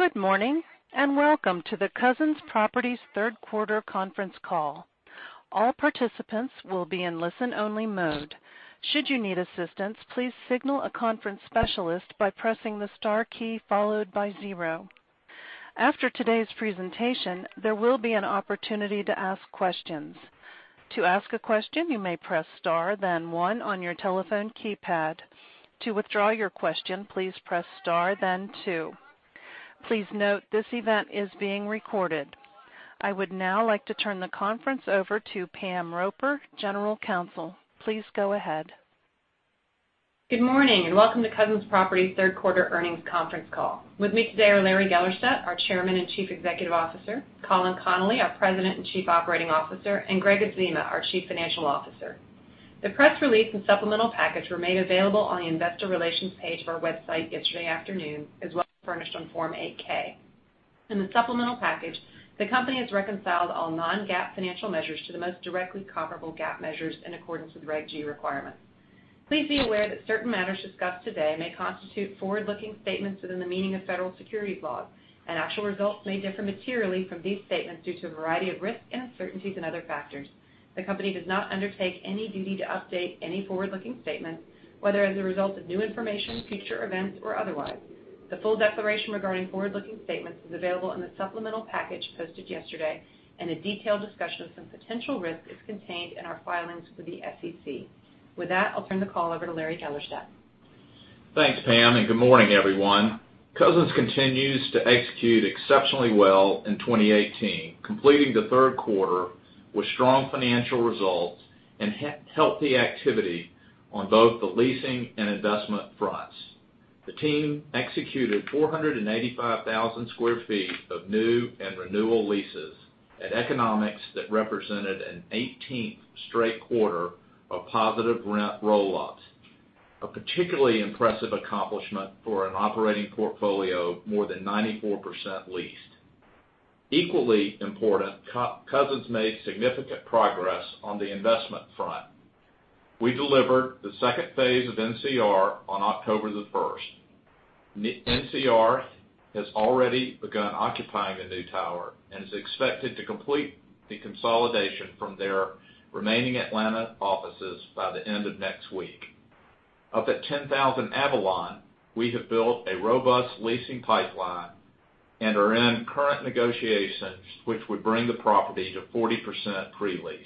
Good morning, welcome to the Cousins Properties third quarter conference call. All participants will be in listen-only mode. Should you need assistance, please signal a conference specialist by pressing the star key followed by zero. After today's presentation, there will be an opportunity to ask questions. To ask a question, you may press star then one on your telephone keypad. To withdraw your question, please press star then two. Please note this event is being recorded. I would now like to turn the conference over to Pamela Roper, General Counsel. Please go ahead. Good morning, welcome to Cousins Properties third quarter earnings conference call. With me today are Larry Gellerstedt, our Chairman and Chief Executive Officer, Colin Connolly, our President and Chief Operating Officer, and Gregg Adzema, our Chief Financial Officer. The press release and supplemental package were made available on the investor relations page of our website yesterday afternoon, as well as furnished on Form 8-K. In the supplemental package, the company has reconciled all non-GAAP financial measures to the most directly comparable GAAP measures in accordance with Regulation G requirements. Please be aware that certain matters discussed today may constitute forward-looking statements within the meaning of federal securities laws and actual results may differ materially from these statements due to a variety of risks and uncertainties and other factors. The company does not undertake any duty to update any forward-looking statements, whether as a result of new information, future events, or otherwise. The full declaration regarding forward-looking statements is available in the supplemental package posted yesterday. A detailed discussion of some potential risks is contained in our filings with the SEC. With that, I'll turn the call over to Larry Gellerstedt. Thanks, Pam, good morning, everyone. Cousins continues to execute exceptionally well in 2018, completing the third quarter with strong financial results and healthy activity on both the leasing and investment fronts. The team executed 485,000 sq ft of new and renewal leases at economics that represented an 18th straight quarter of positive rent roll-ups, a particularly impressive accomplishment for an operating portfolio more than 94% leased. Equally important, Cousins made significant progress on the investment front. We delivered the second phase of NCR on October 1st. NCR has already begun occupying the new tower and is expected to complete the consolidation from their remaining Atlanta offices by the end of next week. Up at 10000 Avalon, we have built a robust leasing pipeline and are in current negotiations, which would bring the property to 40% pre-lease.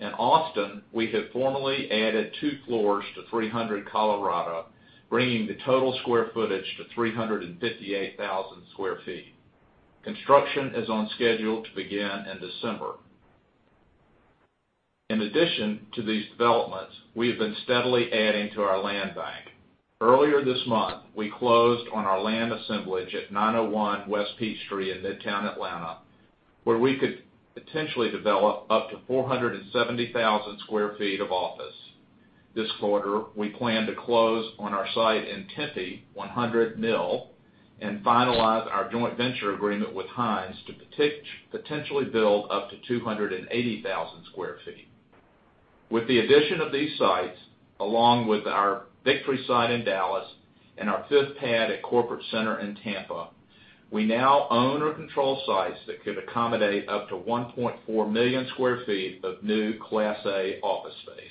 In Austin, we have formally added two floors to 300 Colorado, bringing the total square footage to 358,000 square feet. Construction is on schedule to begin in December. In addition to these developments, we have been steadily adding to our land bank. Earlier this month, we closed on our land assemblage at 901 West Peachtree in Midtown Atlanta, where we could potentially develop up to 470,000 square feet of office. This quarter, we plan to close on our site in Tempe, 100 Mill, and finalize our joint venture agreement with Hines to potentially build up to 280,000 square feet. With the addition of these sites, along with our Victory site in Dallas and our fifth pad at Corporate Center in Tampa, we now own or control sites that could accommodate up to 1.4 million square feet of new Class A office space.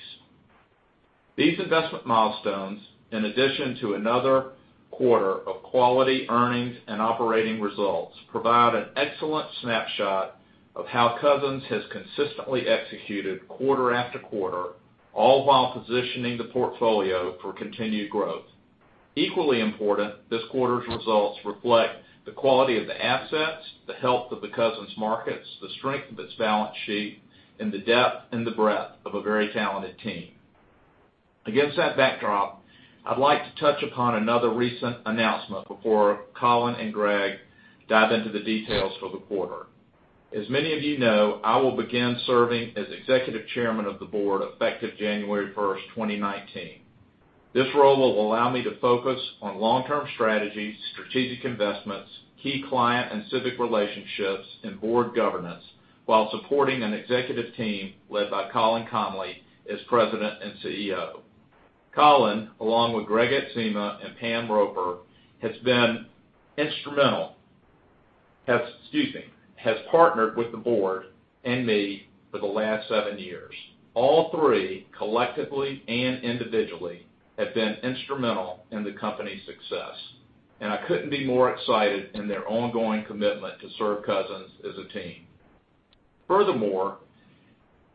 These investment milestones, in addition to another quarter of quality earnings and operating results, provide an excellent snapshot of how Cousins has consistently executed quarter after quarter, all while positioning the portfolio for continued growth. Equally important, this quarter's results reflect the quality of the assets, the health of the Cousins markets, the strength of its balance sheet, and the depth and the breadth of a very talented team. Against that backdrop, I'd like to touch upon another recent announcement before Colin and Gregg dive into the details for the quarter. As many of you know, I will begin serving as Executive Chairman of the Board effective January 1st, 2019. This role will allow me to focus on long-term strategies, strategic investments, key client and civic relationships, and board governance while supporting an executive team led by Colin Connolly as President and CEO. Colin, along with Gregg Adzema and Pamela Roper, has partnered with the board and me for the last seven years. All three, collectively and individually, have been instrumental in the company's success, and I couldn't be more excited in their ongoing commitment to serve Cousins as a team. Furthermore,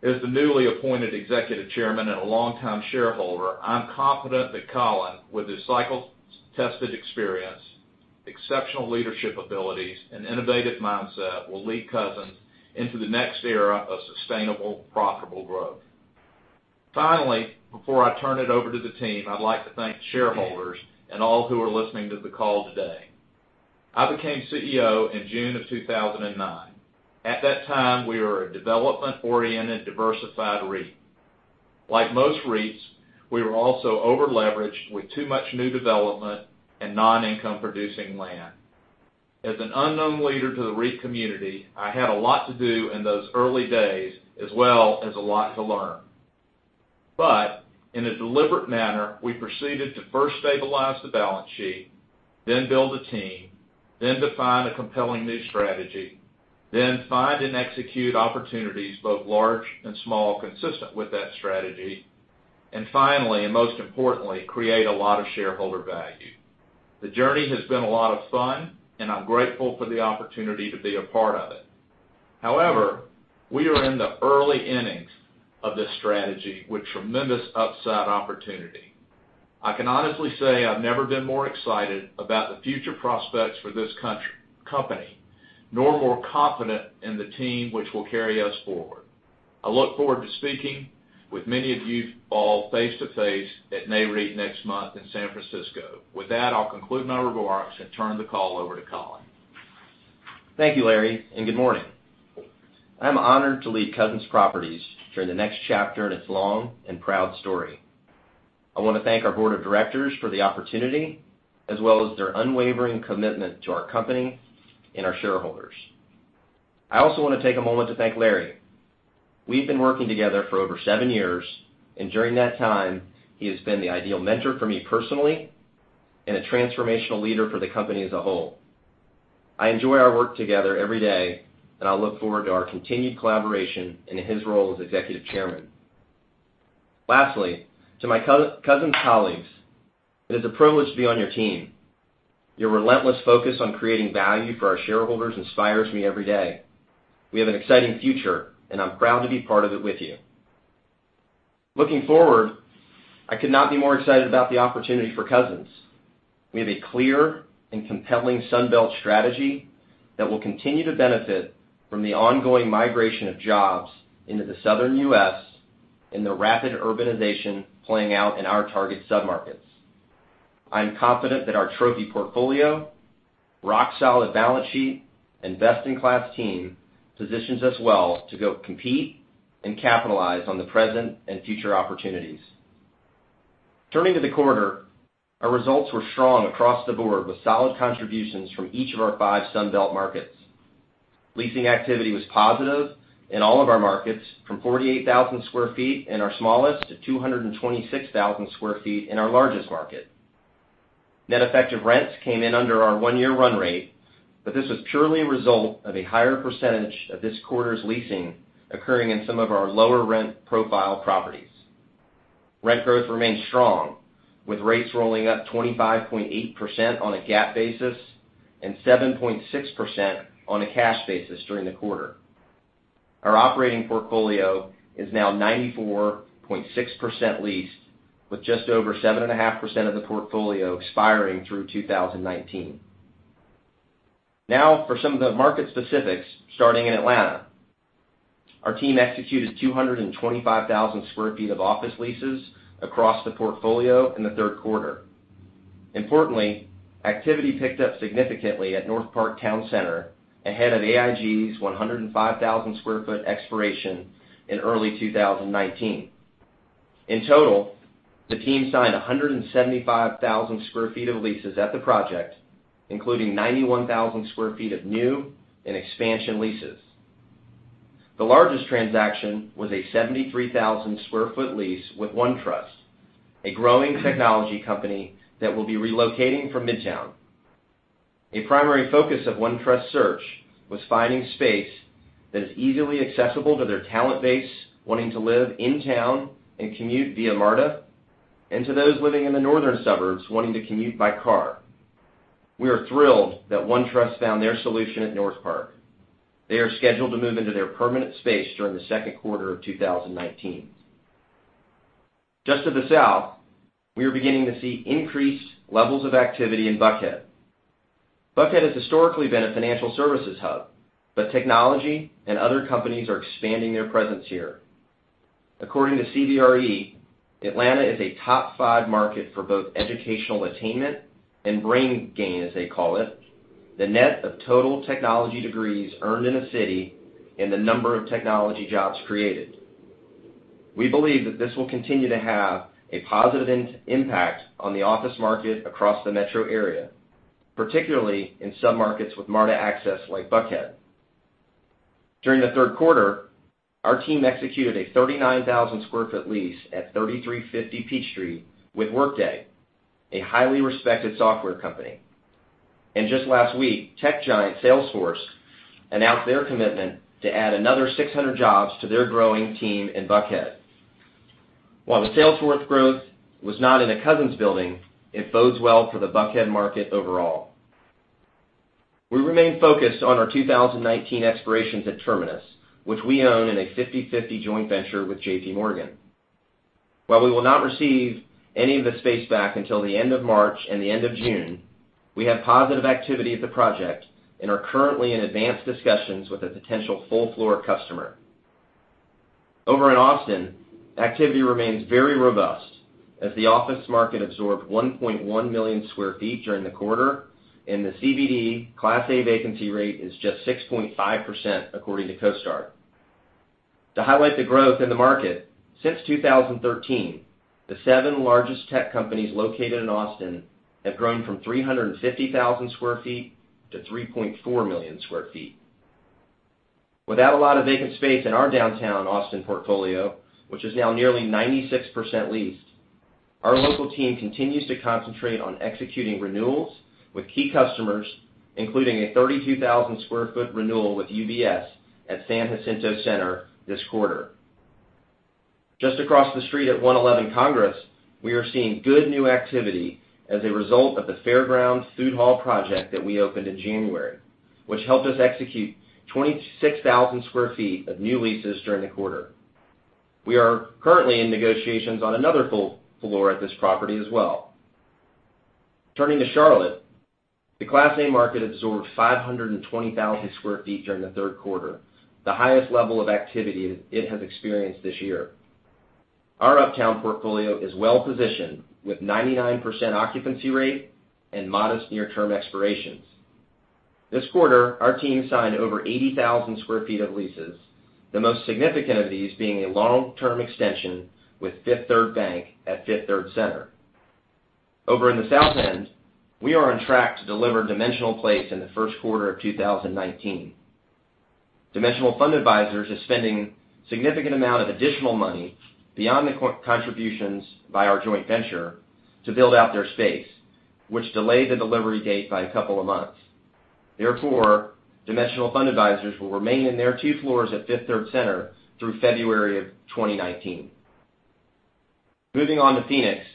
as the newly appointed Executive Chairman and a longtime shareholder, I'm confident that Colin, with his cycle-tested experience, exceptional leadership abilities, and innovative mindset, will lead Cousins into the next era of sustainable, profitable growth. Before I turn it over to the team, I'd like to thank shareholders and all who are listening to the call today. I became CEO in June of 2009. At that time, we were a development-oriented, diversified REIT. Like most REITs, we were also over-leveraged with too much new development and non-income-producing land. As an unknown leader to the REIT community, I had a lot to do in those early days, as well as a lot to learn. In a deliberate manner, we proceeded to first stabilize the balance sheet, then build a team, then define a compelling new strategy, then find and execute opportunities, both large and small, consistent with that strategy, and finally, and most importantly, create a lot of shareholder value. The journey has been a lot of fun, and I'm grateful for the opportunity to be a part of it. However, we are in the early innings of this strategy with tremendous upside opportunity. I can honestly say I've never been more excited about the future prospects for this company, nor more confident in the team which will carry us forward. I look forward to speaking with many of you all face to face at Nareit next month in San Francisco. With that, I'll conclude my remarks and turn the call over to Colin. Thank you, Larry, and good morning. I'm honored to lead Cousins Properties during the next chapter in its long and proud story. I want to thank our board of directors for the opportunity, as well as their unwavering commitment to our company and our shareholders. I also want to take a moment to thank Larry. We've been working together for over seven years, and during that time, he has been the ideal mentor for me personally, and a transformational leader for the company as a whole. I enjoy our work together every day, and I look forward to our continued collaboration in his role as executive chairman. Lastly, to my Cousins colleagues, it is a privilege to be on your team. Your relentless focus on creating value for our shareholders inspires me every day. We have an exciting future, and I'm proud to be part of it with you. Looking forward, I could not be more excited about the opportunity for Cousins. We have a clear and compelling Sun Belt strategy that will continue to benefit from the ongoing migration of jobs into the Southern U.S. and the rapid urbanization playing out in our target submarkets. I am confident that our trophy portfolio, rock-solid balance sheet, and best-in-class team positions us well to go compete and capitalize on the present and future opportunities. Turning to the quarter, our results were strong across the board with solid contributions from each of our five Sun Belt markets. Leasing activity was positive in all of our markets, from 48,000 square feet in our smallest to 226,000 square feet in our largest market. Net effective rents came in under our one-year run rate, but this was purely a result of a higher percentage of this quarter's leasing occurring in some of our lower rent profile properties. Rent growth remained strong, with rates rolling up 25.8% on a GAAP basis and 7.6% on a cash basis during the quarter. Our operating portfolio is now 94.6% leased, with just over 7.5% of the portfolio expiring through 2019. Now for some of the market specifics, starting in Atlanta. Our team executed 225,000 square feet of office leases across the portfolio in the third quarter. Importantly, activity picked up significantly at Northpark Town Center ahead of AIG's 105,000-square-foot expiration in early 2019. In total, the team signed 175,000 square feet of leases at the project, including 91,000 square feet of new and expansion leases. The largest transaction was a 73,000 sq ft lease with OneTrust, a growing technology company that will be relocating from Midtown. A primary focus of OneTrust's search was finding space that is easily accessible to their talent base, wanting to live in town and commute via MARTA, and to those living in the northern suburbs wanting to commute by car. We are thrilled that OneTrust found their solution at Northpark. They are scheduled to move into their permanent space during the second quarter of 2019. Just to the south, we are beginning to see increased levels of activity in Buckhead. Buckhead has historically been a financial services hub, but technology and other companies are expanding their presence here. According to CBRE, Atlanta is a top 5 market for both educational attainment and brain gain, as they call it, the net of total technology degrees earned in a city and the number of technology jobs created. We believe that this will continue to have a positive impact on the office market across the metro area, particularly in submarkets with MARTA access like Buckhead. During the third quarter, our team executed a 39,000 sq ft lease at 3350 Peachtree with Workday, a highly respected software company. Just last week, tech giant Salesforce announced their commitment to add another 600 jobs to their growing team in Buckhead. While the Salesforce growth was not in a Cousins building, it bodes well for the Buckhead market overall. We remain focused on our 2019 expirations at Terminus, which we own in a 50/50 joint venture with J.P. Morgan. While we will not receive any of the space back until the end of March and the end of June, we have positive activity at the project and are currently in advanced discussions with a potential full floor customer. Over in Austin, activity remains very robust as the office market absorbed 1.1 million sq ft during the quarter, and the CBD Class A vacancy rate is just 6.5%, according to CoStar. To highlight the growth in the market, since 2013, the 7 largest tech companies located in Austin have grown from 350,000 sq ft to 3.4 million sq ft. Without a lot of vacant space in our downtown Austin portfolio, which is now nearly 96% leased, our local team continues to concentrate on executing renewals with key customers, including a 32,000 sq ft renewal with UBS at San Jacinto Center this quarter. Just across the street at 111 Congress, we are seeing good new activity as a result of the Fareground Food Hall project that we opened in January, which helped us execute 26,000 sq ft of new leases during the quarter. We are currently in negotiations on another full floor at this property as well. Turning to Charlotte, the Class A market absorbed 520,000 sq ft during the third quarter, the highest level of activity it has experienced this year. Our uptown portfolio is well-positioned with 99% occupancy rate and modest near-term expirations. This quarter, our team signed over 80,000 sq ft of leases, the most significant of these being a long-term extension with Fifth Third Bank at Fifth Third Center. Over in the South End, we are on track to deliver Dimensional Place in the first quarter of 2019. Dimensional Fund Advisors is spending significant amount of additional money beyond the contributions by our joint venture to build out their space, which delayed the delivery date by a couple of months. Therefore, Dimensional Fund Advisors will remain in their two floors at Fifth Third Center through February of 2019. Moving on to Phoenix,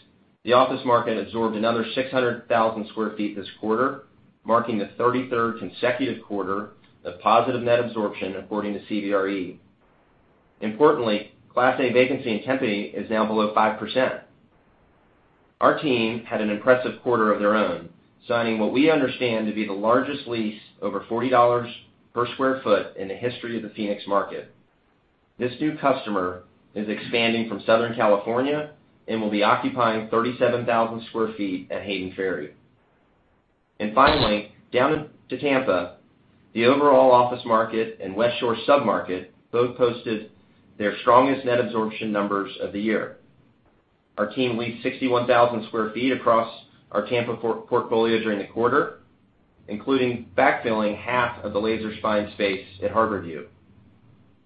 the office market absorbed another 600,000 sq ft this quarter, marking the 33rd consecutive quarter of positive net absorption, according to CBRE. Importantly, Class A vacancy in Tempe is now below 5%. Our team had an impressive quarter of their own, signing what we understand to be the largest lease over $40 per sq ft in the history of the Phoenix market. This new customer is expanding from Southern California and will be occupying 37,000 sq ft at Hayden Ferry. Finally, down to Tampa, the overall office market and West Shore sub-market both posted their strongest net absorption numbers of the year. Our team leased 61,000 sq ft across our Tampa portfolio during the quarter, including backfilling half of the Laser Spine space at Harborview.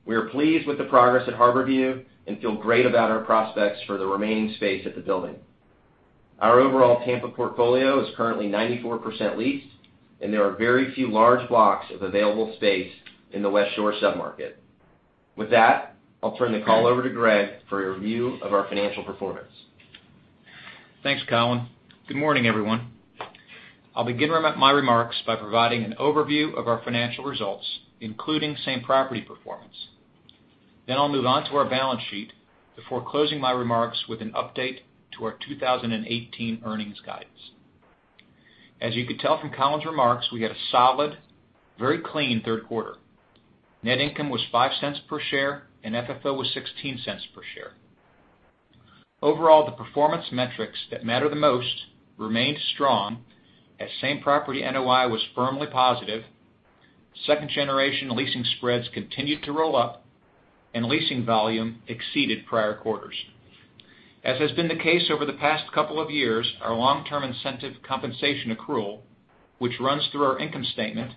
We are pleased with the progress at Harborview and feel great about our prospects for the remaining space at the building. Our overall Tampa portfolio is currently 94% leased, and there are very few large blocks of available space in the West Shore sub-market. With that, I'll turn the call over to Gregg for a review of our financial performance. Thanks, Colin. Good morning, everyone. I'll begin my remarks by providing an overview of our financial results, including same property performance. I'll move on to our balance sheet before closing my remarks with an update to our 2018 earnings guidance. As you could tell from Colin's remarks, we had a solid, very clean third quarter. Net income was $0.05 per share, and FFO was $0.16 per share. Overall, the performance metrics that matter the most remained strong as same property NOI was firmly positive. Second generation leasing spreads continued to roll up, and leasing volume exceeded prior quarters. As has been the case over the past couple of years, our long-term incentive compensation accrual, which runs through our income statement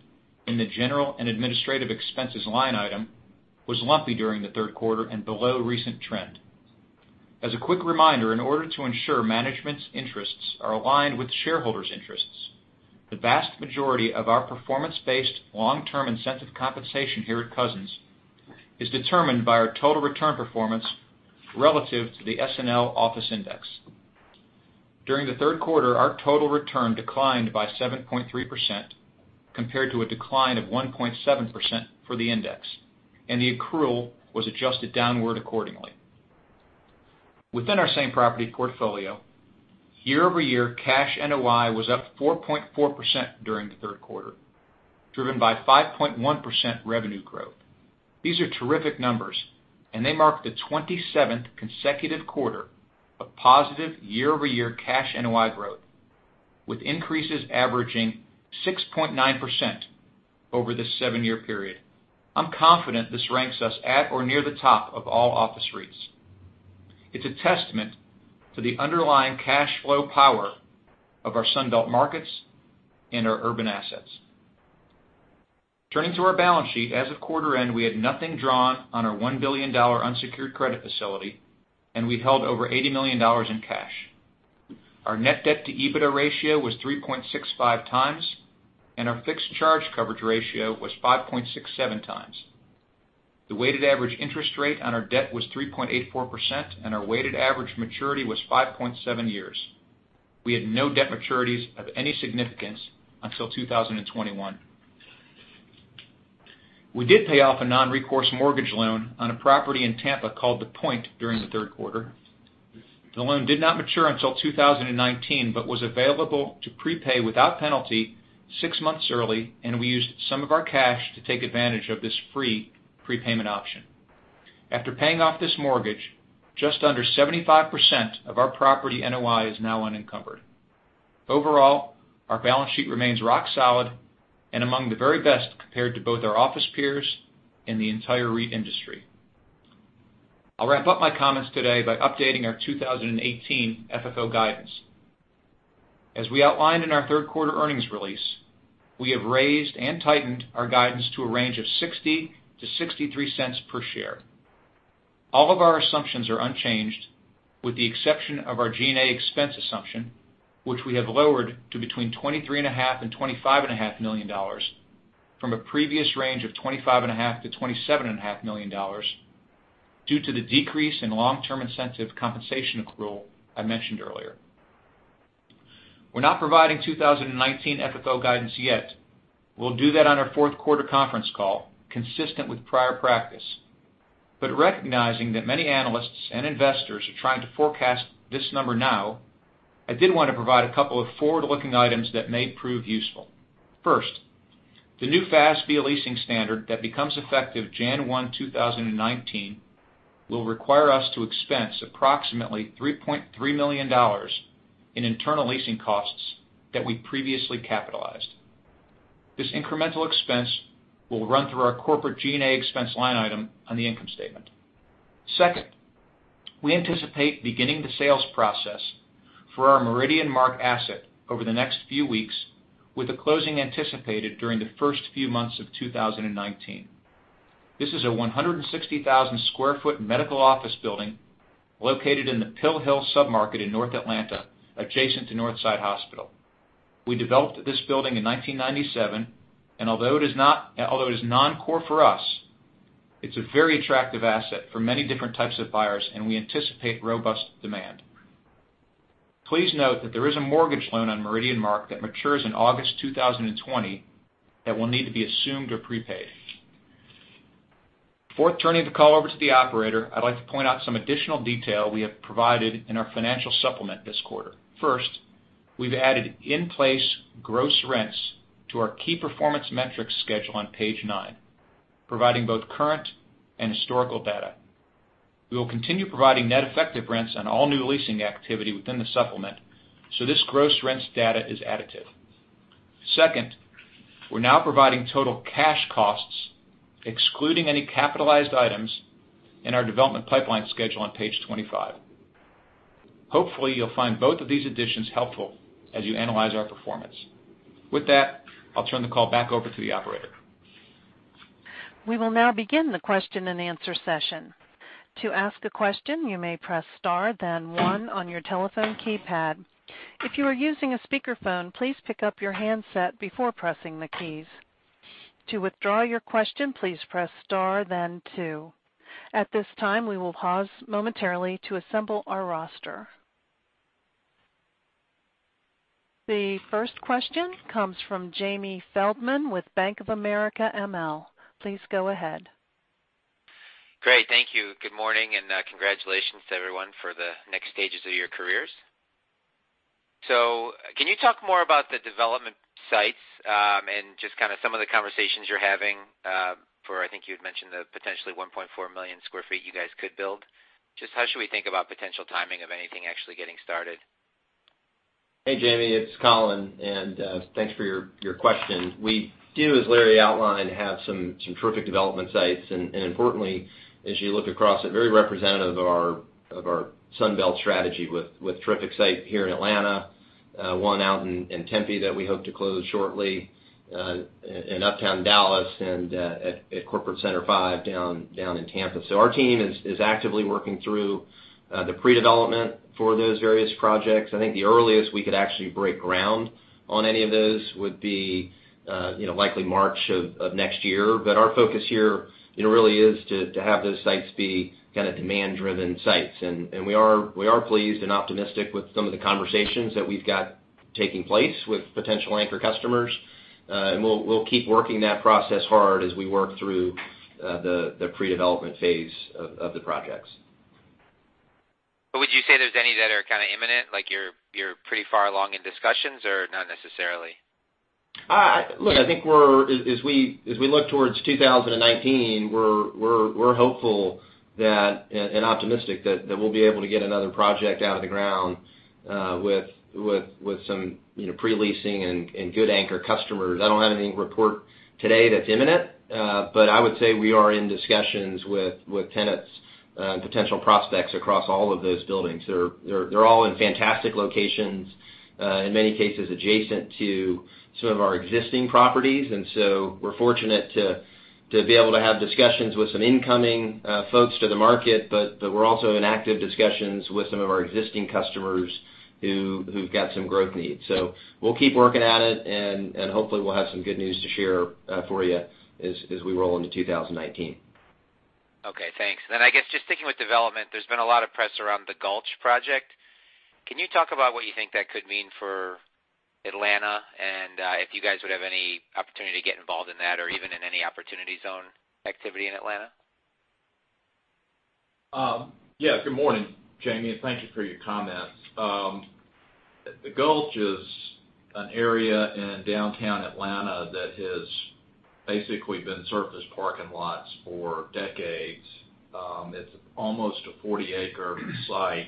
in the general and administrative expenses line item, was lumpy during the third quarter and below recent trend. As a quick reminder, in order to ensure management's interests are aligned with shareholders' interests, the vast majority of our performance-based long-term incentive compensation here at Cousins is determined by our total return performance relative to the SNL Office Index. During the third quarter, our total return declined by 7.3%, compared to a decline of 1.7% for the index, and the accrual was adjusted downward accordingly. Within our same property portfolio, year-over-year cash NOI was up 4.4% during the third quarter, driven by 5.1% revenue growth. These are terrific numbers, and they mark the 27th consecutive quarter of positive year-over-year cash NOI growth, with increases averaging 6.9% over this seven-year period. I'm confident this ranks us at or near the top of all office REITs. It's a testament to the underlying cash flow power of our Sun Belt markets and our urban assets. Turning to our balance sheet, as of quarter-end, we had nothing drawn on our $1 billion unsecured credit facility, and we held over $80 million in cash. Our net debt to EBITDA ratio was 3.65 times, and our fixed charge coverage ratio was 5.67 times. The weighted average interest rate on our debt was 3.84%, and our weighted average maturity was 5.7 years. We had no debt maturities of any significance until 2021. We did pay off a non-recourse mortgage loan on a property in Tampa called The Pointe during the third quarter. The loan did not mature until 2019 but was available to prepay without penalty six months early, and we used some of our cash to take advantage of this free prepayment option. After paying off this mortgage, just under 75% of our property NOI is now unencumbered. Overall, our balance sheet remains rock solid and among the very best compared to both our office peers and the entire REIT industry. I'll wrap up my comments today by updating our 2018 FFO guidance. As we outlined in our third quarter earnings release, we have raised and tightened our guidance to a range of $0.60 to $0.63 per share. All of our assumptions are unchanged, with the exception of our G&A expense assumption, which we have lowered to between $23.5 million and $25.5 million from a previous range of $25.5 million to $27.5 million, due to the decrease in long-term incentive compensation accrual I mentioned earlier. We're not providing 2019 FFO guidance yet. We'll do that on our fourth quarter conference call, consistent with prior practice. Recognizing that many analysts and investors are trying to forecast this number now, I did want to provide a couple of forward-looking items that may prove useful. First, the new FASB leasing standard that becomes effective January 1, 2019, will require us to expense approximately $3.3 million in internal leasing costs that we previously capitalized. This incremental expense will run through our corporate G&A expense line item on the income statement. Second, we anticipate beginning the sales process for our Meridian Mark asset over the next few weeks, with the closing anticipated during the first few months of 2019. This is a 160,000 sq ft medical office building located in the Pill Hill sub-market in North Atlanta, adjacent to Northside Hospital. We developed this building in 1997, and although it is non-core for us, it's a very attractive asset for many different types of buyers, and we anticipate robust demand. Please note that there is a mortgage loan on Meridian Mark that matures in August 2020 that will need to be assumed or prepaid. Before turning the call over to the operator, I'd like to point out some additional detail we have provided in our financial supplement this quarter. First, we've added in-place gross rents to our key performance metrics schedule on page nine, providing both current and historical data. We will continue providing net effective rents on all new leasing activity within the supplement, so this gross rents data is additive. Second, we're now providing total cash costs, excluding any capitalized items, in our development pipeline schedule on page 25. Hopefully, you'll find both of these additions helpful as you analyze our performance. With that, I'll turn the call back over to the operator. We will now begin the question and answer session. To ask a question, you may press star, then one on your telephone keypad. If you are using a speakerphone, please pick up your handset before pressing the keys. To withdraw your question, please press star then two. At this time, we will pause momentarily to assemble our roster. The first question comes from Jamie Feldman with Bank of America ML. Please go ahead. Great, thank you. Good morning, and congratulations to everyone for the next stages of your careers. Can you talk more about the development sites and just kind of some of the conversations you're having for, I think you had mentioned the potentially 1.4 million sq ft you guys could build. Just how should we think about potential timing of anything actually getting started? Hey, Jamie, it's Colin, thanks for your question. We do, as Larry outlined, have some terrific development sites, importantly, as you look across it, very representative of our Sun Belt strategy with terrific site here in Atlanta, one out in Tempe that we hope to close shortly, in uptown Dallas, and at Corporate Center Five down in Tampa. Our team is actively working through the pre-development for those various projects. I think the earliest we could actually break ground on any of those would be likely March of next year. Our focus here really is to have those sites be kind of demand-driven sites. We are pleased and optimistic with some of the conversations that we've got taking place with potential anchor customers. We'll keep working that process hard as we work through the pre-development phase of the projects. Would you say there's any that are kind of imminent, like you're pretty far along in discussions, or not necessarily? Look, I think as we look towards 2019, we're hopeful and optimistic that we'll be able to get another project out of the ground with some pre-leasing and good anchor customers. I don't have anything to report today that's imminent, but I would say we are in discussions with tenants and potential prospects across all of those buildings. They're all in fantastic locations, in many cases adjacent to some of our existing properties, we're fortunate to be able to have discussions with some incoming folks to the market, but we're also in active discussions with some of our existing customers who've got some growth needs. We'll keep working at it, and hopefully, we'll have some good news to share for you as we roll into 2019. Okay, thanks. I guess just sticking with development, there's been a lot of press around The Gulch project. Can you talk about what you think that could mean for Atlanta, and if you guys would have any opportunity to get involved in that or even in any opportunity zone activity in Atlanta? Yeah, good morning, Jamie, and thank you for your comments. The Gulch is an area in downtown Atlanta that has basically been surface parking lots for decades. It's almost a 40-acre site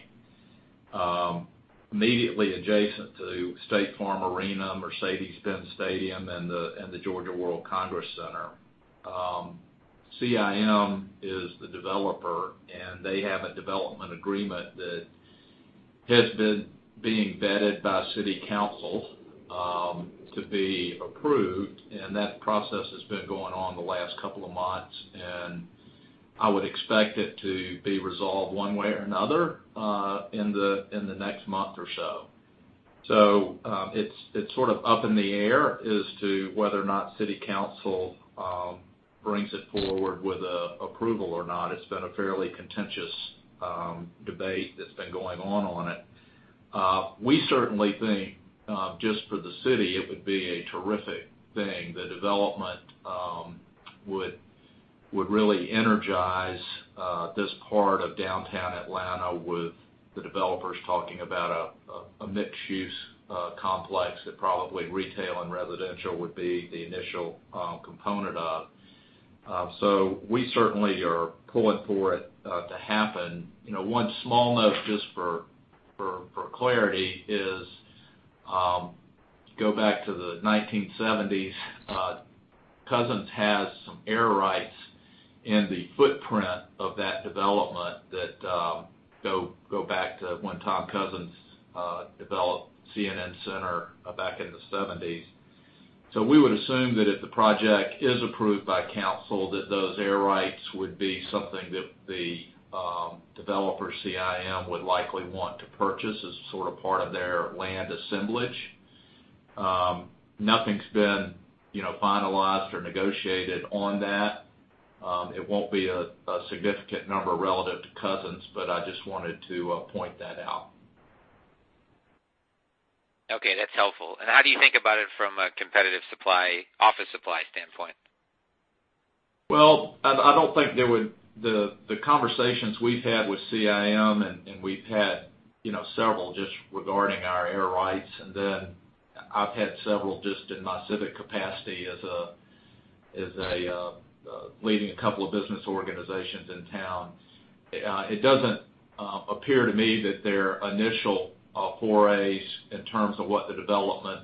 immediately adjacent to State Farm Arena, Mercedes-Benz Stadium, and the Georgia World Congress Center. CIM is the developer, they have a development agreement that has been being vetted by city council to be approved, that process has been going on the last couple of months. I would expect it to be resolved one way or another in the next month or so. It's sort of up in the air as to whether or not city council brings it forward with approval or not. It's been a fairly contentious debate that's been going on it. We certainly think just for the city, it would be a terrific thing. The development would really energize this part of downtown Atlanta, with the developers talking about a mixed-use complex that probably retail and residential would be the initial component of. We certainly are pulling for it to happen. One small note, just for clarity, is go back to the 1970s. Cousins has some air rights in the footprint of that development that go back to when Tom Cousins developed CNN Center back in the '70s. We would assume that if the project is approved by council, that those air rights would be something that the developer, CIM, would likely want to purchase as sort of part of their land assemblage. Nothing's been finalized or negotiated on that. It won't be a significant number relative to Cousins, but I just wanted to point that out. Okay. That's helpful. How do you think about it from a competitive office supply standpoint? I don't think the conversations we've had with CIM, we've had several just regarding our air rights, I've had several just in my civic capacity as leading a couple of business organizations in town. It doesn't appear to me that their initial forays in terms of what the development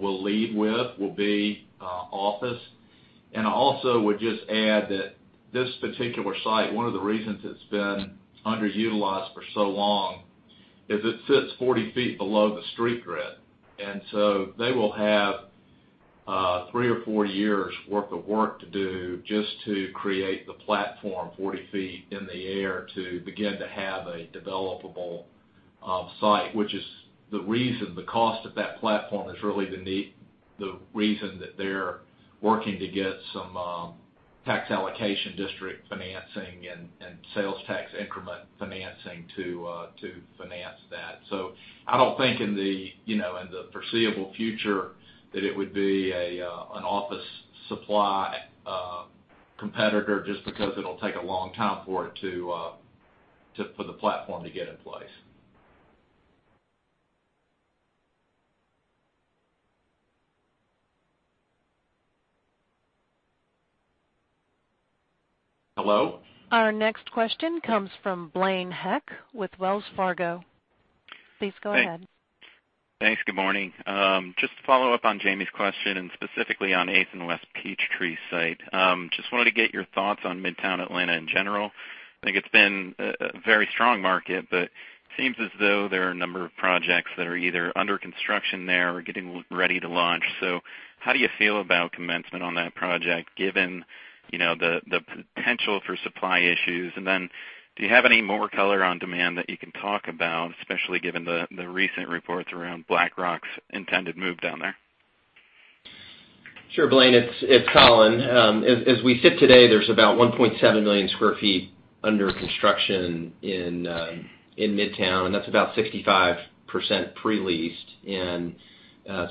will lead with will be office. I also would just add that this particular site, one of the reasons it's been underutilized for so long is it sits 40 feet below the street grid. They will have three or four years' worth of work to do just to create the platform 40 feet in the air to begin to have a developable site. The cost of that platform is really the reason that they're working to get some tax allocation district financing and sales tax increment financing to finance that. I don't think in the foreseeable future that it would be an office supply competitor just because it'll take a long time for the platform to get in place. Hello? Our next question comes from Blaine Heck with Wells Fargo. Please go ahead. Thanks. Good morning. Specifically on 8th and West Peachtree site. Just wanted to get your thoughts on Midtown Atlanta in general. I think it's been a very strong market, but it seems as though there are a number of projects that are either under construction there or getting ready to launch. How do you feel about commencement on that project, given the potential for supply issues? Do you have any more color on demand that you can talk about, especially given the recent reports around BlackRock's intended move down there? Sure, Blaine, it's Colin. As we sit today, there's about 1.7 million sq ft under construction in Midtown, and that's about 65% pre-leased.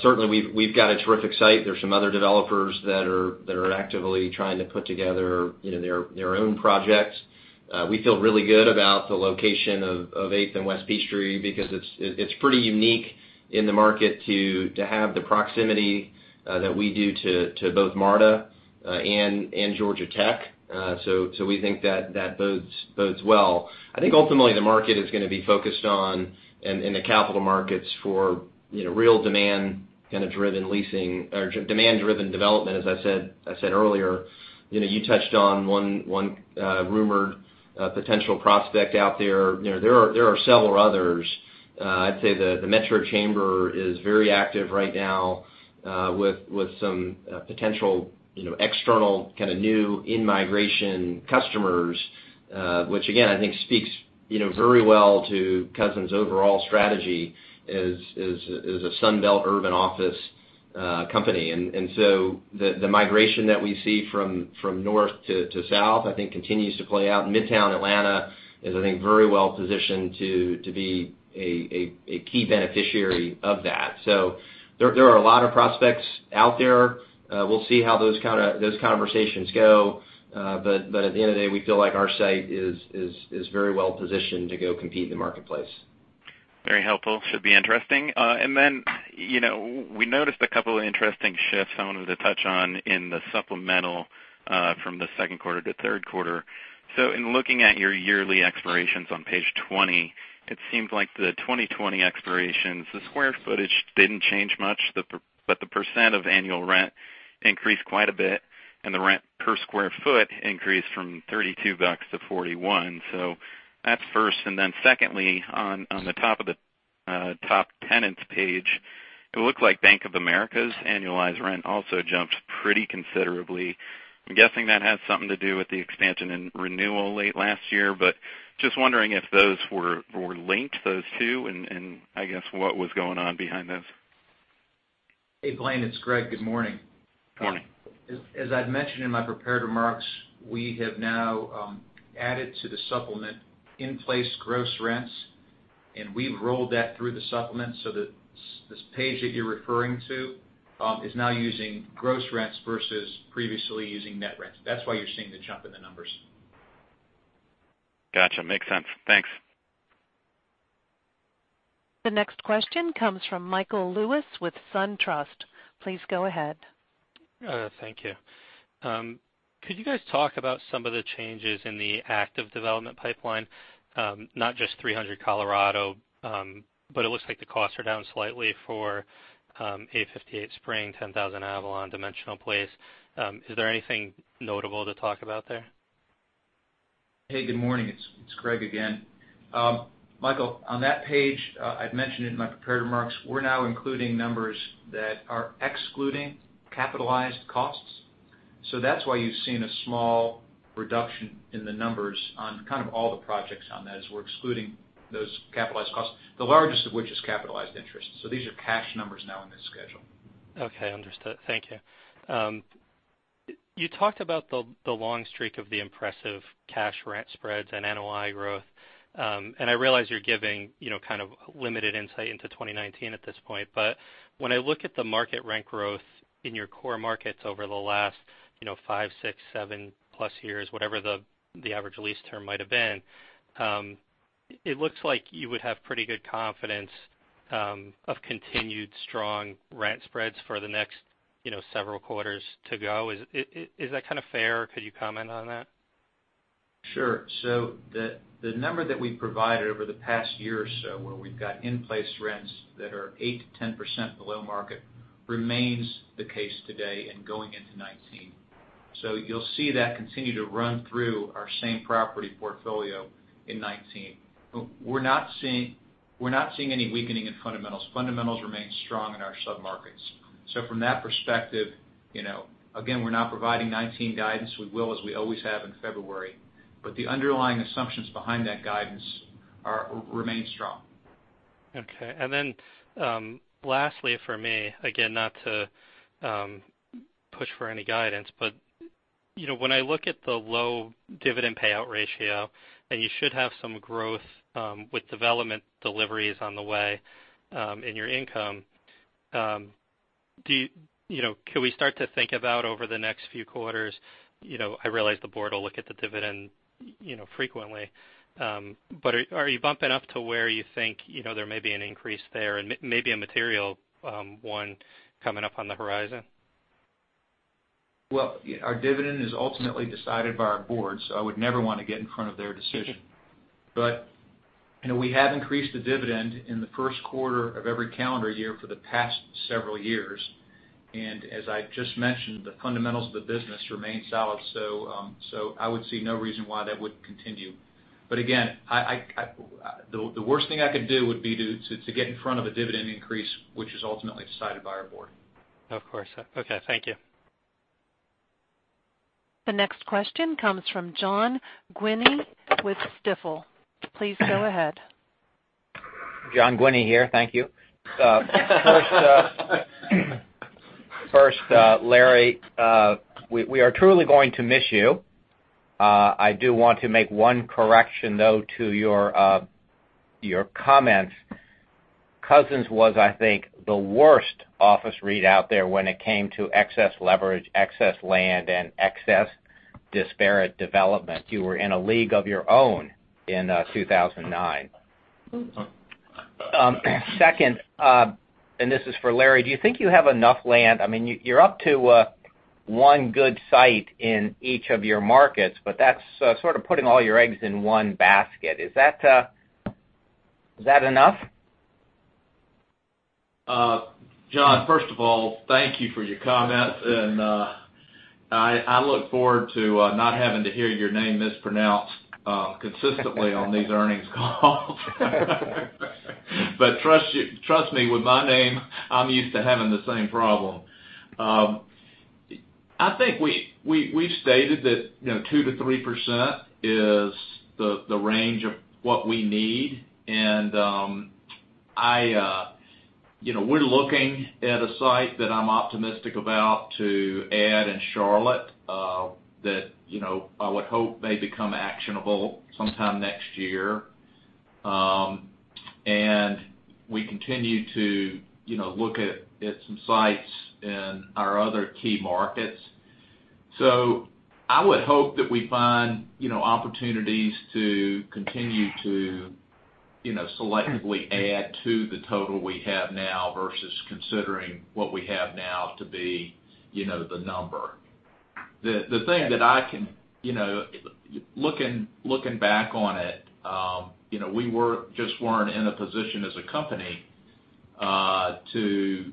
Certainly, we've got a terrific site. There's some other developers that are actively trying to put together their own projects. We feel really good about the location of 8th and West Peachtree because it's pretty unique in the market to have the proximity that we do to both MARTA and Georgia Tech. We think that bodes well. I think ultimately the market is going to be focused on, in the capital markets for real demand-driven development, as I said earlier. You touched on one rumored potential prospect out there. There are several others. I'd say the Metro Chamber is very active right now with some potential external, kind of new in-migration customers, which again, I think speaks very well to Cousins' overall strategy as a Sun Belt urban office company. The migration that we see from north to south, I think continues to play out. Midtown Atlanta is, I think, very well positioned to be a key beneficiary of that. There are a lot of prospects out there. We'll see how those conversations go. At the end of the day, we feel like our site is very well positioned to go compete in the marketplace. Very helpful. Should be interesting. We noticed a couple of interesting shifts I wanted to touch on in the supplemental from the second quarter to third quarter. In looking at your yearly expirations on page 20, it seems like the 2020 expirations, the square footage didn't change much, but the % of annual rent increased quite a bit, and the rent per square foot increased from $32 to $41. That's first. Secondly, on the top of the top tenants page, it looked like Bank of America's annualized rent also jumped pretty considerably. I'm guessing that has something to do with the expansion and renewal late last year, but just wondering if those were linked, those two, and I guess what was going on behind this. Hey, Blaine, it's Gregg. Good morning. Morning. As I'd mentioned in my prepared remarks, we have now added to the supplement in-place gross rents, and we've rolled that through the supplement so that this page that you're referring to is now using gross rents versus previously using net rents. That's why you're seeing the jump in the numbers. Gotcha. Makes sense. Thanks. The next question comes from Michael Lewis with SunTrust. Please go ahead. Thank you. Could you guys talk about some of the changes in the active development pipeline? Not just 300 Colorado, but it looks like the costs are down slightly for 858 Spring, 10,000 Avalon, Dimensional Place. Is there anything notable to talk about there? Hey, good morning. It's Gregg again. Michael, on that page, I'd mentioned in my prepared remarks, we're now including numbers that are excluding capitalized costs. That's why you've seen a small reduction in the numbers on kind of all the projects on that, is we're excluding those capitalized costs, the largest of which is capitalized interest. These are cash numbers now in this schedule. Okay, understood. Thank you. You talked about the long streak of the impressive cash rent spreads and NOI growth. I realize you're giving kind of limited insight into 2019 at this point, but when I look at the market rent growth in your core markets over the last five, six, 7+ years, whatever the average lease term might have been, it looks like you would have pretty good confidence of continued strong rent spreads for the next several quarters to go. Is that kind of fair? Could you comment on that? The number that we've provided over the past year or so, where we've got in-place rents that are 8%-10% below market, remains the case today and going into 2019. You'll see that continue to run through our same property portfolio in 2019. We're not seeing any weakening in fundamentals. Fundamentals remain strong in our sub-markets. From that perspective, again, we're not providing 2019 guidance. We will, as we always have, in February. The underlying assumptions behind that guidance remain strong. Okay. Lastly for me, again, not to push for any guidance, but when I look at the low dividend payout ratio, and you should have some growth with development deliveries on the way in your income, can we start to think about over the next few quarters, I realize the board will look at the dividend frequently, but are you bumping up to where you think there may be an increase there and maybe a material one coming up on the horizon? Our dividend is ultimately decided by our board, I would never want to get in front of their decision. We have increased the dividend in the first quarter of every calendar year for the past several years. As I just mentioned, the fundamentals of the business remain solid. I would see no reason why that wouldn't continue. Again, the worst thing I could do would be to get in front of a dividend increase, which is ultimately decided by our board. Of course. Okay. Thank you. The next question comes from John Guinee with Stifel. Please go ahead. John Guinee here. Thank you. First, Larry, we are truly going to miss you. I do want to make one correction, though, to your comments. Cousins was, I think, the worst office REIT out there when it came to excess leverage, excess land, and excess disparate development. You were in a league of your own in 2009. Second, this is for Larry, do you think you have enough land? You're up to one good site in each of your markets, but that's sort of putting all your eggs in one basket. Is that enough? John, first of all, thank you for your comments, and I look forward to not having to hear your name mispronounced consistently on these earnings calls. Trust me, with my name, I'm used to having the same problem. I think we've stated that 2%-3% is the range of what we need. We're looking at a site that I'm optimistic about to add in Charlotte, that I would hope may become actionable sometime next year. We continue to look at some sites in our other key markets. I would hope that we find opportunities to continue to selectively add to the total we have now versus considering what we have now to be the number. The thing that looking back on it, we just weren't in a position as a company to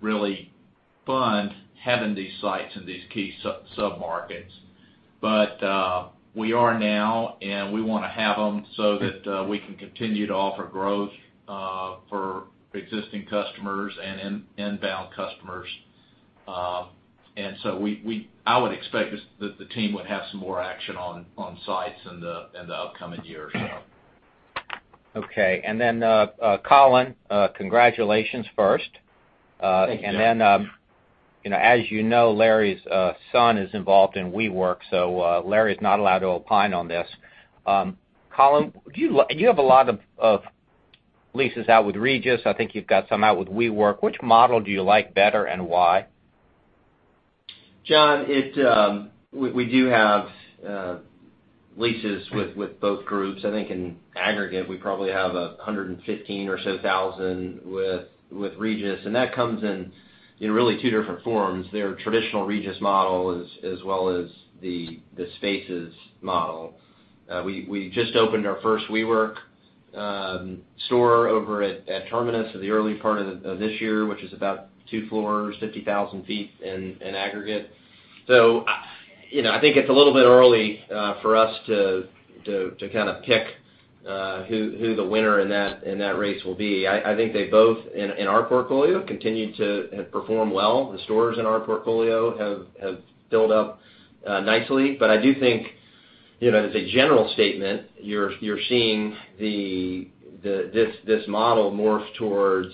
really fund having these sites in these key sub-markets. We are now, and we want to have them so that we can continue to offer growth for existing customers and inbound customers. I would expect that the team would have some more action on sites in the upcoming year or so. Okay. Colin, congratulations first. Thank you, John. As you know, Larry's son is involved in WeWork, so Larry's not allowed to opine on this. Colin, you have a lot of leases out with Regus. I think you've got some out with WeWork. Which model do you like better and why? John, we do have leases with both groups. I think in aggregate, we probably have 115,000 or so with Regus, and that comes in really two different forms, their traditional Regus model as well as the Spaces model. We just opened our first WeWork store over at Terminus in the early part of this year, which is about two floors, 50,000 feet in aggregate. I think it's a little bit early for us to kind of pick who the winner in that race will be. I think they both, in our portfolio, continue to perform well. The stores in our portfolio have built up nicely. I do think, as a general statement, you're seeing this model morph towards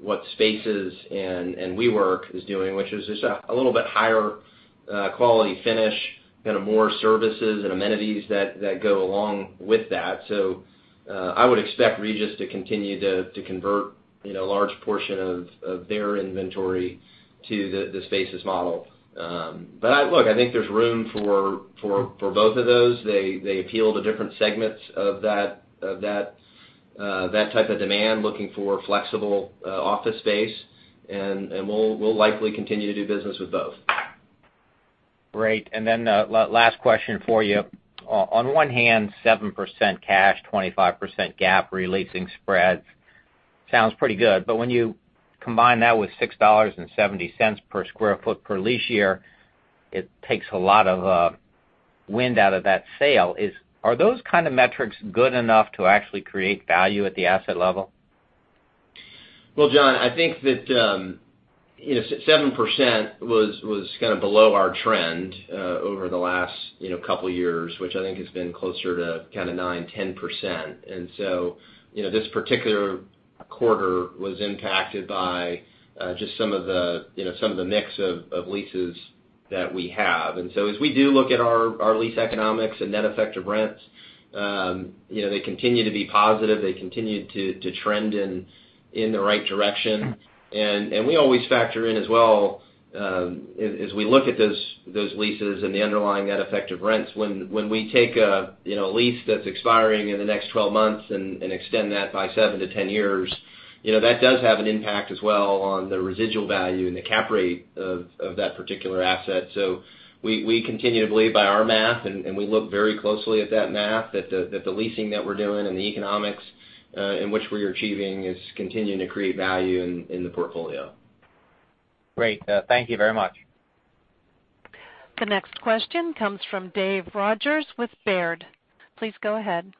what Spaces and WeWork is doing, which is just a little bit higher quality finish, kind of more services and amenities that go along with that. I would expect Regus to continue to convert large portion of their inventory to the Spaces model. Look, I think there's room for both of those. They appeal to different segments of that type of demand, looking for flexible office space, and we'll likely continue to do business with both. Great. Last question for you. On one hand, 7% cash, 25% GAAP re-leasing spreads sounds pretty good, when you combine that with $6.70 per sq ft per lease year, it takes a lot of wind out of that sale. Are those kind of metrics good enough to actually create value at the asset level? Well, John, I think that 7% was kind of below our trend over the last couple of years, which I think has been closer to 9%, 10%. This particular quarter was impacted by just some of the mix of leases that we have. As we do look at our lease economics and net effective rents, they continue to be positive. They continue to trend in the right direction. We always factor in as well, as we look at those leases and the underlying net effective rents, when we take a lease that's expiring in the next 12 months and extend that by 7-10 years, that does have an impact as well on the residual value and the cap rate of that particular asset. We continue to believe by our math, and we look very closely at that math, that the leasing that we're doing and the economics in which we're achieving is continuing to create value in the portfolio. Great. Thank you very much. The next question comes from David Rodgers with Baird. Please go ahead.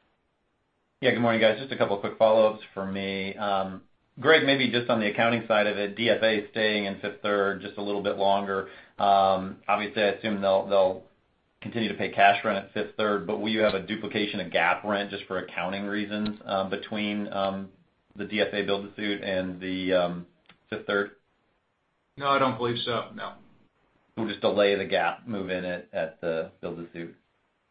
Yeah, good morning, guys. Just a couple of quick follow-ups from me. Gregg, maybe just on the accounting side of it, DFA is staying in Fifth Third just a little bit longer. Obviously, I assume they'll continue to pay cash rent at Fifth Third, but will you have a duplication of GAAP rent just for accounting reasons between the DFA build-to-suit and the Fifth Third? No, I don't believe so, no. We'll just delay the GAAP move-in at the build to suit.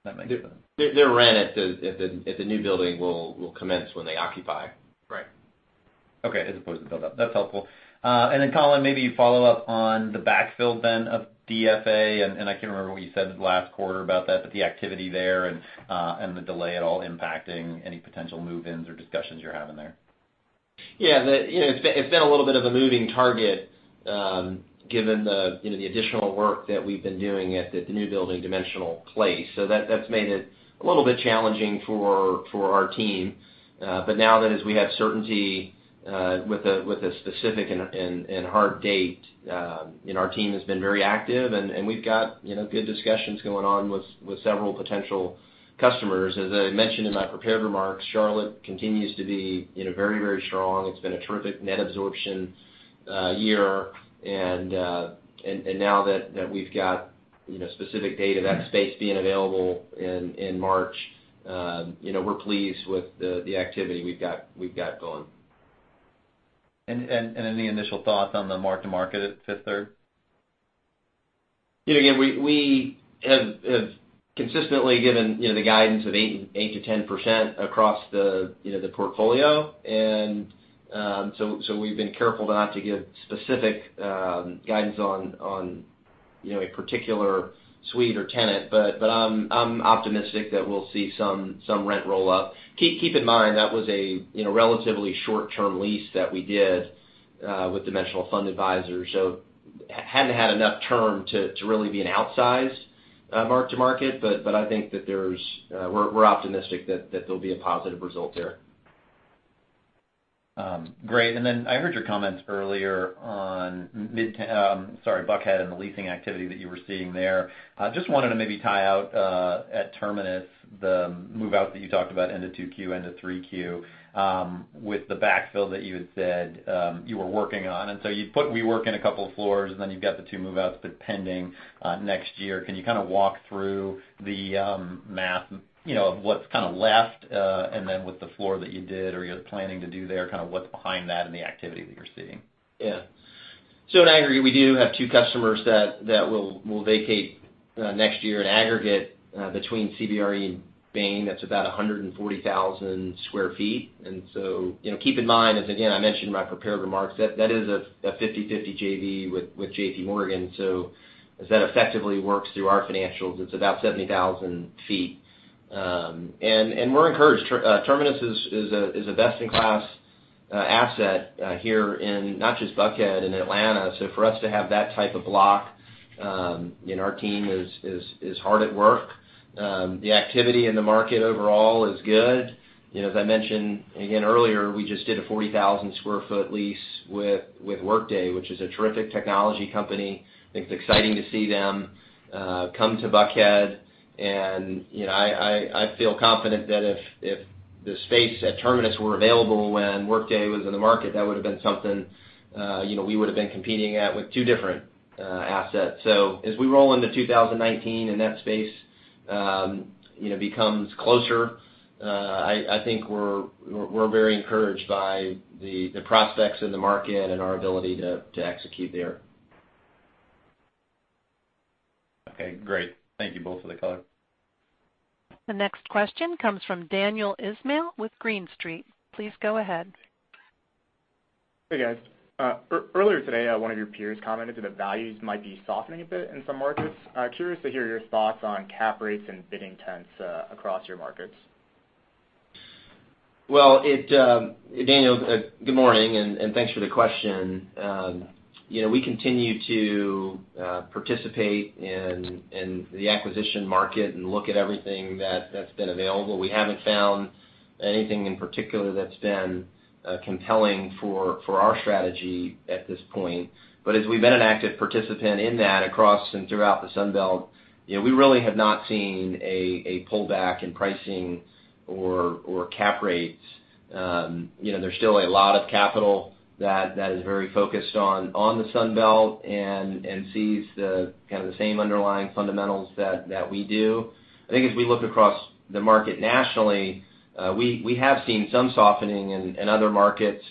That makes sense. Their rent at the new building will commence when they occupy. Right. Okay. As opposed to build up. That's helpful. Colin, maybe follow up on the backfill then of DFA, I can't remember what you said last quarter about that, but the activity there and the delay at all impacting any potential move-ins or discussions you're having there? Yeah. It's been a little bit of a moving target, given the additional work that we've been doing at the new building, Dimensional Place. That's made it a little bit challenging for our team. Now that as we have certainty with a specific and hard date, our team has been very active, we've got good discussions going on with several potential customers. As I mentioned in my prepared remarks, Charlotte continues to be very, very strong. It's been a terrific net absorption year, now that we've got specific data, that space being available in March, we're pleased with the activity we've got going. Any initial thoughts on the mark-to-market at Fifth Third? We have consistently given the guidance of 8%-10% across the portfolio. We've been careful not to give specific guidance on a particular suite or tenant, but I'm optimistic that we'll see some rent roll-up. Keep in mind, that was a relatively short-term lease that we did with Dimensional Fund Advisors, so hadn't had enough term to really be an outsized mark-to-market, but I think that we're optimistic that there'll be a positive result there. Great. I heard your comments earlier on Buckhead and the leasing activity that you were seeing there. Just wanted to maybe tie out, at Terminus, the move-out that you talked about end of 2Q, end of 3Q, with the backfill that you had said you were working on. You put WeWork in a couple of floors, and then you've got the two move-outs that's pending next year. Can you kind of walk through the math of what's kind of left, and then with the floor that you did or you're planning to do there, kind of what's behind that and the activity that you're seeing? In aggregate, we do have two customers that will vacate next year in aggregate between CBRE and Bain, that's about 140,000 sq ft. Keep in mind, as again, I mentioned in my prepared remarks, that is a 50/50 JV with JP Morgan. As that effectively works through our financials, it's about 70,000 sq ft. We're encouraged. Terminus is a best-in-class asset here in not just Buckhead, in Atlanta. For us to have that type of block, and our team is hard at work. The activity in the market overall is good. As I mentioned again earlier, we just did a 40,000-square-foot lease with Workday, which is a terrific technology company. I think it's exciting to see them come to Buckhead. I feel confident that if the space at Terminus were available when Workday was in the market, that would've been something we would've been competing at with two different assets. As we roll into 2019 and that space becomes closer, I think we're very encouraged by the prospects of the market and our ability to execute there. Okay, great. Thank you both for the color. The next question comes from Daniel Ismail with Green Street. Please go ahead. Hey, guys. Earlier today, one of your peers commented that the values might be softening a bit in some markets. Curious to hear your thoughts on cap rates and bidding trends across your markets. Daniel, good morning, and thanks for the question. We continue to participate in the acquisition market and look at everything that's been available. We haven't found anything in particular that's been compelling for our strategy at this point. As we've been an active participant in that across and throughout the Sun Belt, we really have not seen a pullback in pricing or cap rates. There's still a lot of capital that is very focused on the Sun Belt and sees the kind of same underlying fundamentals that we do. I think as we look across the market nationally, we have seen some softening in other markets.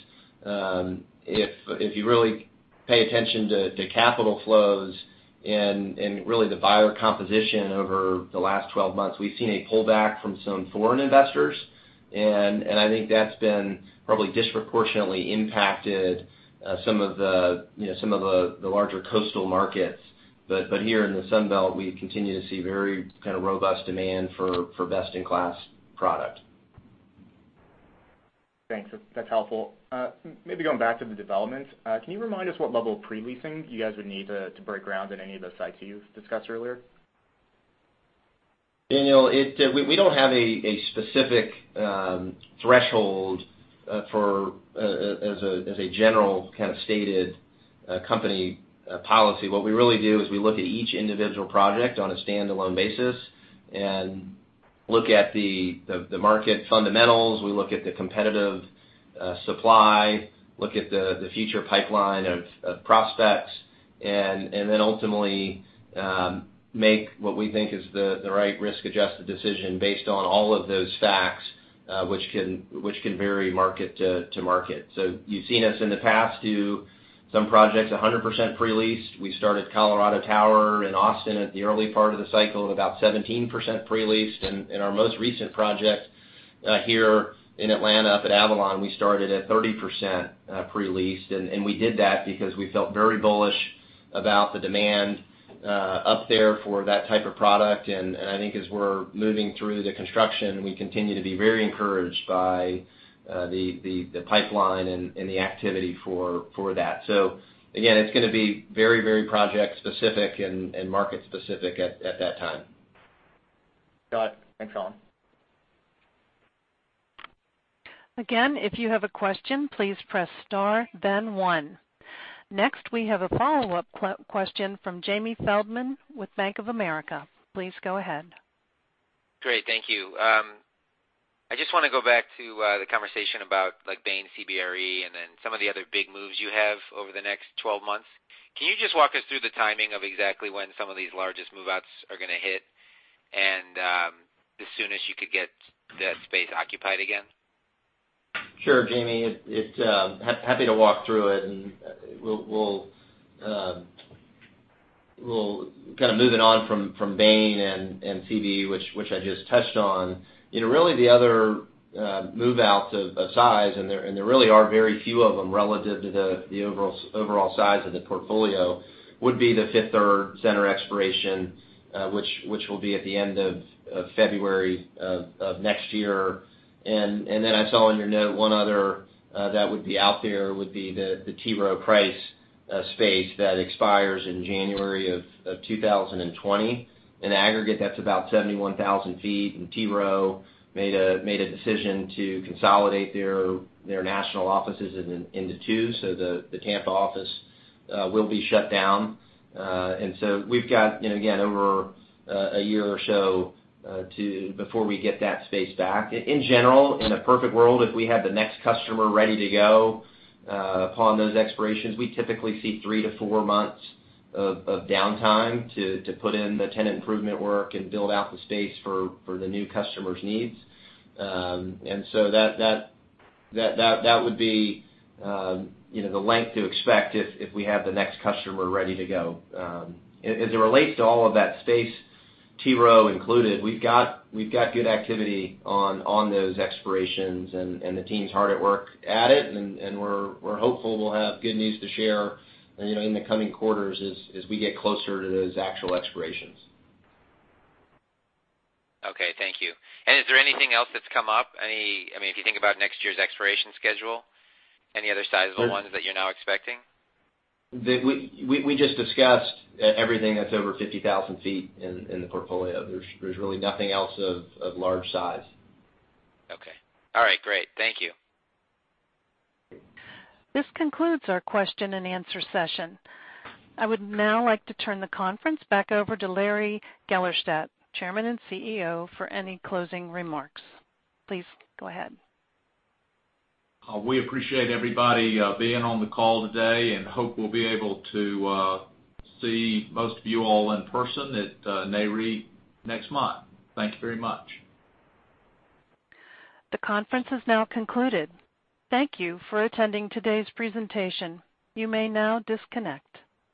If you really pay attention to capital flows and really the buyer composition over the last 12 months, we've seen a pullback from some foreign investors, and I think that's been probably disproportionately impacted some of the larger coastal markets. Here in the Sun Belt, we continue to see very kind of robust demand for best-in-class product. Thanks. That's helpful. Maybe going back to the developments, can you remind us what level of pre-leasing you guys would need to break ground in any of the sites that you've discussed earlier? Daniel, we don't have a specific threshold as a general kind of stated company policy. What we really do is we look at each individual project on a standalone basis and look at the market fundamentals. We look at the competitive supply, look at the future pipeline of prospects, and then ultimately, make what we think is the right risk-adjusted decision based on all of those facts, which can vary market to market. You've seen us in the past do some projects 100% pre-leased. We started Colorado Tower in Austin at the early part of the cycle at about 17% pre-leased. Our most recent project here in Atlanta, up at Avalon, we started at 30% pre-leased. We did that because we felt very bullish about the demand up there for that type of product, and I think as we're moving through the construction, we continue to be very encouraged by the pipeline and the activity for that. Again, it's going to be very project specific and market specific at that time. Got it. Thanks, Colin. Again, if you have a question, please press star one. Next, we have a follow-up question from Jamie Feldman with Bank of America. Please go ahead. Great. Thank you. I just want to go back to the conversation about Bain, CBRE, and then some of the other big moves you have over the next 12 months. Can you just walk us through the timing of exactly when some of these largest move-outs are going to hit and the soonest you could get that space occupied again? Sure, Jamie, happy to walk through it, and we'll kind of move it on from Bain and CB, which I just touched on. Really the other move out of size, and there really are very few of them relative to the overall size of the portfolio, would be the Fifth Third Center expiration which will be at the end of February of next year. I saw in your note one other that would be out there would be the T. Rowe Price space that expires in January of 2020. In aggregate, that's about 71,000 feet, and T. Rowe made a decision to consolidate their national offices into two. The Tampa office will be shut down. We've got, again, over a year or so before we get that space back. In general, in a perfect world, if we have the next customer ready to go upon those expirations, we typically see three to four months of downtime to put in the tenant improvement work and build out the space for the new customer's needs. That would be the length to expect if we have the next customer ready to go. As it relates to all of that space, T. Rowe included, we've got good activity on those expirations, and the team's hard at work at it, and we're hopeful we'll have good news to share in the coming quarters as we get closer to those actual expirations. Okay, thank you. Is there anything else that's come up? If you think about next year's expiration schedule, any other sizable ones that you're now expecting? We just discussed everything that's over 50,000 feet in the portfolio. There's really nothing else of large size. Okay. All right, great. Thank you. This concludes our question and answer session. I would now like to turn the conference back over to Larry Gellerstedt, Chairman and CEO, for any closing remarks. Please go ahead. We appreciate everybody being on the call today and hope we'll be able to see most of you all in person at Nareit next month. Thank you very much. The conference has now concluded. Thank you for attending today's presentation. You may now disconnect.